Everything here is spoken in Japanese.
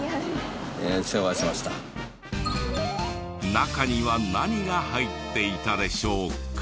中には何が入っていたでしょうか？